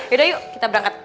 yaudah yuk kita berangkat